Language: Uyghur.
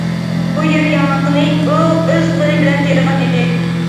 بۇ يەر ياڭىقىنى ئۇ ئۆز قولى بىلەن تېرىغان ئىدى.